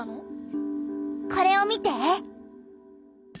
これを見て！